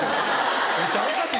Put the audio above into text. めっちゃ恥ずかしい。